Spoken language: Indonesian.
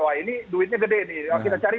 wah ini duitnya gede nih kita cari